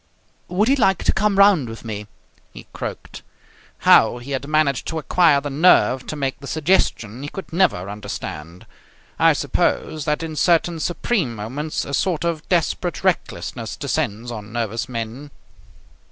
"Would he like to come round with me?" he croaked. How he had managed to acquire the nerve to make the suggestion he could never understand. I suppose that in certain supreme moments a sort of desperate recklessness descends on nervous men.